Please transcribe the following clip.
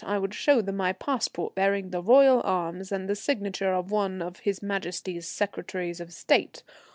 I would show them my passport bearing the Royal Arms and the signature of one of H.M. Secretaries of State.